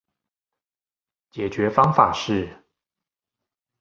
解決方式是